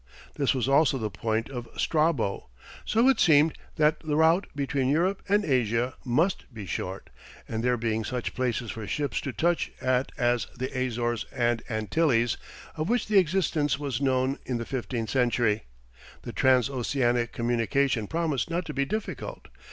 This was also the opinion of Strabo. So it seemed that the route between Europe and Asia must be short, and there being such places for ships to touch at as the Azores and Antilles, of which the existence was known in the fifteenth century, the transoceanic communication promised not to be difficult.